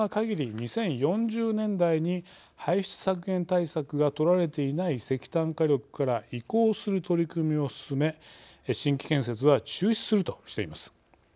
２０４０年代に排出削減対策がとられていない石炭火力から移行する取り組みを進め新規建設は中止するとしています。